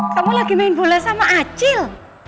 kamu lagi main bola sama acil